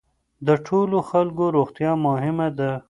د ټولو خلکو روغتیا مهمه ده.